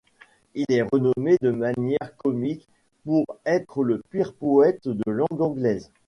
Il est renommé, de manière comique, pour être le pire poète de langue anglaise.